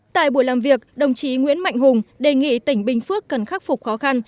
tại buổi làm việc đồng chí nguyễn mạnh hùng đề nghị tỉnh bình phước cần khắc phục khó khăn